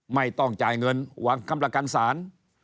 ไม่ต้องจ่ายเงินวางคำละการสาร